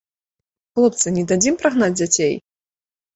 Хлопцы, не дадзім прагнаць дзяцей?